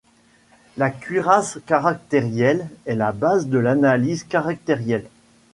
La cuirasse caractérielle est la base de l'analyse caractérielle.